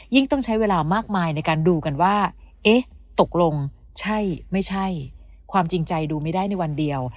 ต้องใช้เวลามากมายในการดูกันว่าเอ๊ะตกลงใช่ไม่ใช่ความจริงใจดูไม่ได้ในวันเดียว